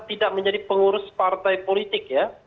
tidak menjadi pengurus partai politik ya